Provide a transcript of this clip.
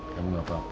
kamu gak apa apa